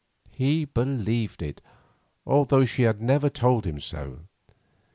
He believed it, although she had never told him so.